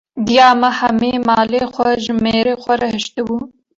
Diya me hemî malê xwe ji mêrê xwe re hişti bû.